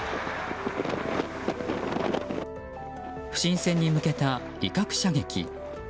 不審船に向けた威嚇射撃。